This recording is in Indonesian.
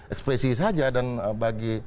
ekspresi saja dan bagi